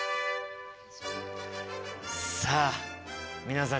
さあ皆さん